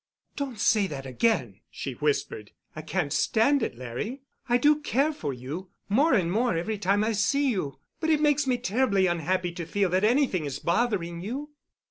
"Don't say that again," she whispered. "I can't stand it, Larry. I do care for you—more and more every time I see you. But it makes me terribly unhappy to feel that anything is bothering you."